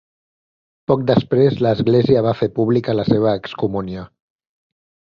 Poc després l'Església va fer pública la seva excomunió.